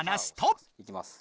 いきます。